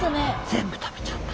全部食べちゃった。